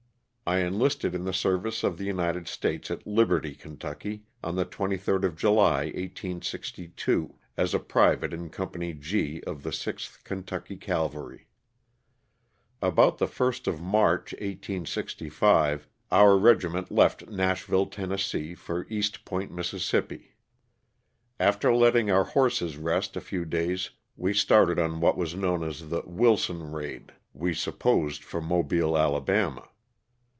I enlisted in the service of the United States at Liberty, Ky., on the 23rd of July, 1862, as a private in Company G of the 6th Kentucky Cavalry. About the Ist of March, 1865, our regiment left Nashville, Tenn., for East Port, Miss. After letting our horses rest a few days we started on what was known as the "Wilson raid," we supposed for Mobile, Ala.